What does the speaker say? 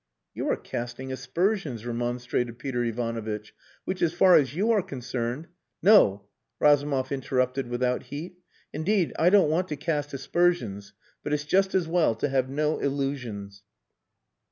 "You are casting aspersions," remonstrated Peter Ivanovitch, "which as far as you are concerned " "No!" Razumov interrupted without heat. "Indeed, I don't want to cast aspersions, but it's just as well to have no illusions."